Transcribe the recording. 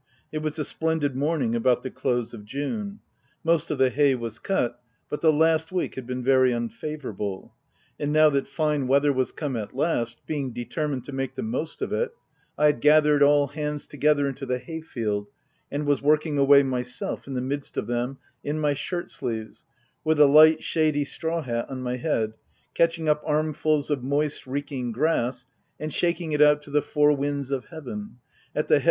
It was a splendid morning about the close of June. Most of the hay was cut, but the last week had been very unfavourable ; and now that fine weather was come at last, being determined to make the most of it, I had gathered all hands together into the hayfield, and was working away myself, in the midst of them, in my shirt sleeves, with a light, shady straw hat on my head, catching up armfuls of moist, reeking grass, and shaking it out to the four winds of heaven, at the head OF WILDFELL HALL.